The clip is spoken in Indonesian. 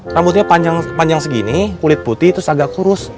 rambutnya panjang segini kulit putih terus agak kurus